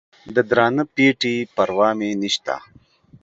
د درانه پېټي پروا مې نسته.